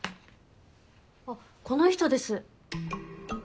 あっこの人です。